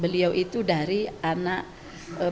beliau itu dari bukit jawa